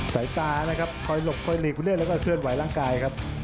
สายตาร์นะครับคอยหลบคอยนิกนับขึ้นใหม่ร่างกายครับ